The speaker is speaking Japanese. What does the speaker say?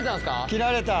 切られた。